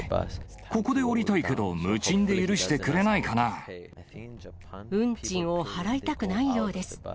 ここで降りたいけど、運賃を払いたくないようです。